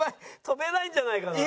跳べないんじゃないかな？